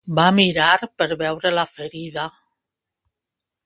Va mirar per veure la ferida.